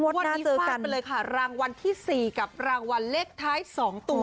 วันนี้พลาดไปเลยค่ะรางวัลที่๔กับรางวัลเลขท้าย๒ตัว